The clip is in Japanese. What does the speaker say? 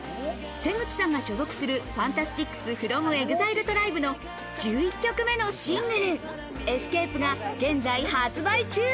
瀬口さんが所属するＦＡＮＴＡＳＴＩＣＳｆｒｏｍＥＸＩＬＥＴＲＩＢＥの１１曲目のシングル、『Ｅｓｃａｐｅ』が現在発売中。